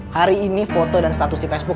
hari ini foto dan status di faceboo